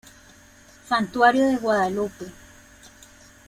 Santuario de Guadalupe.